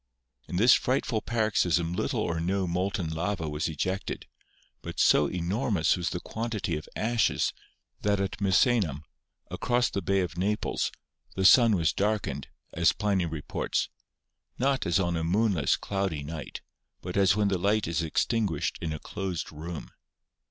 In this frightful paroxysm little or no molten lava was ejected, but so enormous was the quantity of ashes that at Mi senum, across the bay of Naples, the sun was darkened, as Pliny reports, "not as on a moonless, cloudy night, but as when the light is extinguished in a closed room.